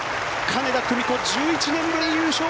金田久美子、１１年ぶり優勝！